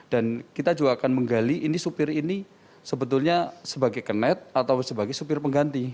dan kita juga akan menggali ini supir ini sebetulnya sebagai kenet atau sebagai supir pengganti